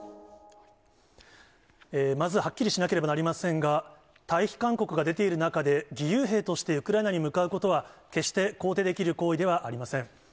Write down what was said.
まずはっきりしなければなりませんが、退避勧告が出ている中で、義勇兵としてウクライナに向かうことは、決して肯定できる行為ではありません。